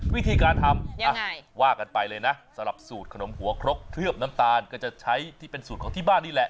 วิธีการทำว่ากันไปเลยนะสำหรับสูตรขนมหัวครกเคลือบน้ำตาลก็จะใช้ที่เป็นสูตรของที่บ้านนี่แหละ